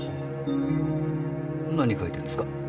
何書いてんですか？